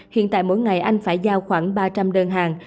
hiện tại mỗi ngày anh phải giao khoảng ba trăm linh đơn hàng